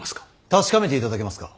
確かめていただけますか。